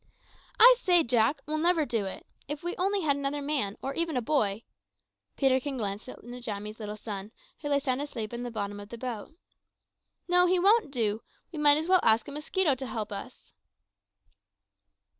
"I say, Jack, we'll never do it. If we had only another man, or even a boy." (Peterkin glanced at Njamie's little son, who lay sound asleep at the bottom of the boat.) "No, he won't do; we might as well ask a mosquito to help us."